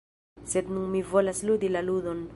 Sed nun mi volas ludi la ludon.